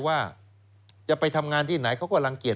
ว่าจะไปทำงานที่ไหนเขาก็รังเกียจ